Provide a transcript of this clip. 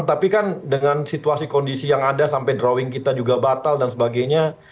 tapi kan dengan situasi kondisi yang ada sampai drawing kita juga batal dan sebagainya